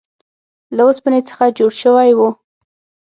له اوسپنې څخه جوړ شوی و.